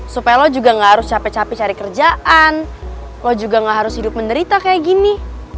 supaya lo juga gak harus capek capek cari kerjaan lo juga gak harus hidup menderita kayak gini